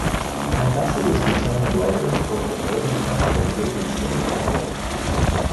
Ambassadors returning later report that Rosencrantz and Guildenstern are dead.